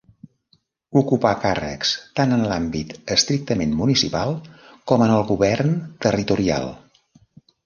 Ocupà càrrecs tant en l'àmbit estrictament municipal com en el govern territorial.